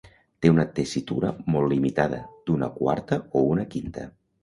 Té una tessitura molt limitada, d'una quarta o una quinta.